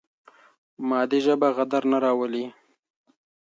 مادي ژبه غدر نه راولي.